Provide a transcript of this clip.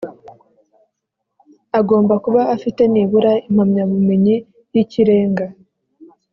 agomba kuba afite nibura impamyabumenyi yikirenga